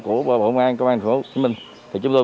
của bộ ngoan công an tp hcm thì chúng tôi